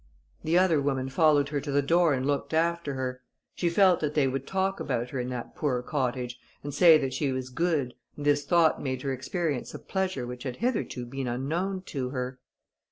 The other woman followed her to the door and looked after her. She felt that they would talk about her in that poor cottage, and say that she was good, and this thought made her experience a pleasure which had hitherto been unknown to her.